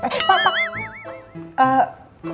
eh pak pak